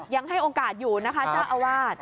ยังให้โอกาสอยู่นะคะเจ้าอาวาส